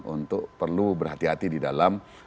untuk perlu berhati hati di dalam